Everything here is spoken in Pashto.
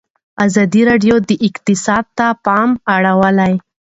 ازادي راډیو د اقتصاد ته پام اړولی.